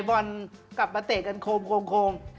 บอลกลับมาเตะกันโคม